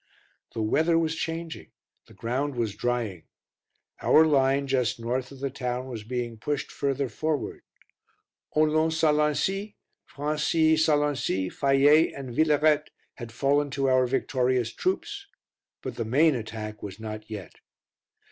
The weather was changing, the ground was drying. Our line, just north of the town, was being pushed further forward. Holon Selency, Francilly Selency, Fayet and Villerete had fallen to our victorious troops, but the main attack was not yet.